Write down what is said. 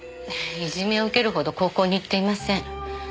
いじめを受けるほど高校に行っていません。